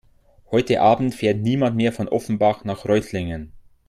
Heute Abend fährt niemand mehr von Offenbach nach Reutlingen